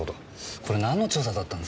これ何の調査だったんですかね？